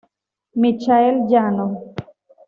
Michael Yano